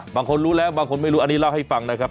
บางคนรู้แล้วบางคนไม่รู้อันนี้เล่าให้ฟังนะครับ